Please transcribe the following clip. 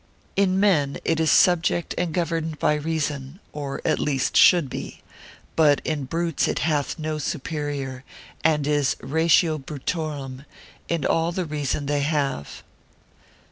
In men it is subject and governed by reason, or at least should be; but in brutes it hath no superior, and is ratio brutorum, all the reason they have.